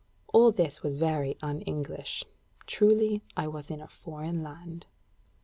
All this was very un English: truly I was in a foreign land....